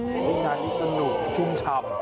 นี่ค่ะนี่สนุกชุ่มชำ